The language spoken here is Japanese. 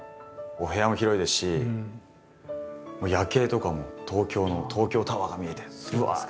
お部屋も広いですし夜景とかも東京の東京タワーが見えてぶわっと。